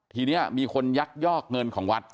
ทีนี้มีคนยักยอกเงินของวัด